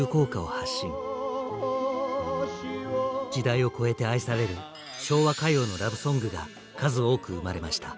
時代を超えて愛される「昭和歌謡のラブソング」が数多く生まれました。